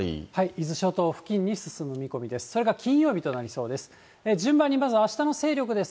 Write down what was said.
伊豆諸島付近に進む見込みです。